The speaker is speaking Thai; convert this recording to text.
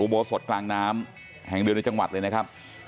โบสถกลางน้ำแห่งเดียวในจังหวัดเลยนะครับ